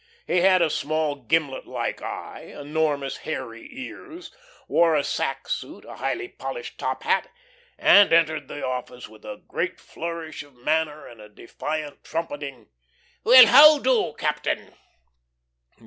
He had a small, gimlet like eye, enormous, hairy ears, wore a "sack" suit, a highly polished top hat, and entered the office with a great flourish of manner and a defiant trumpeting "Well, how do, Captain?"